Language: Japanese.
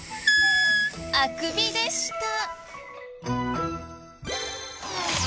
あくびでした。